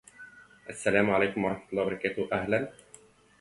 This dialogue seems to be taking place in a building with multiple floors.